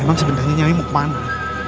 emang sebenarnya nyai mau kemana